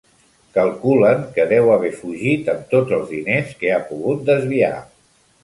Calculen que deu haver fugit amb tots els diners que ha pogut desviar.